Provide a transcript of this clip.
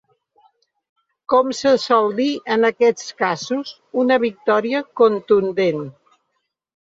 Com se sol dir en aquests casos, una victòria contundent.